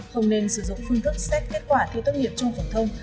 không nên sử dụng phương thức xét kết quả thi tốt nghiệp trung học phổ thông